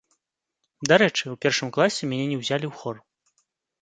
Дарэчы, у першым класе мяне не ўзялі ў хор.